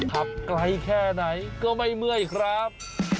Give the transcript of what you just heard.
ขับไกลแค่ไหนก็ไม่เมื่อยครับ